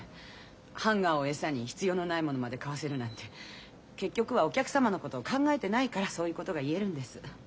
ハンガーを餌に必要のないものまで買わせるなんて結局はお客様のことを考えてないからそういうことが言えるんです。